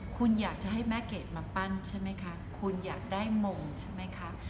คุณอยากจะให้แม่เกดมาปั้นใช่ไหมคะคุณอยากได้มงใช่ไหมคะ